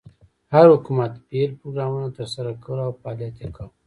هر حکومت بېل پروګرامونه تر سره کول او فعالیت یې کاوه.